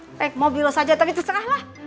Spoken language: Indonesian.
naik mobil lo saja nanti terserah lah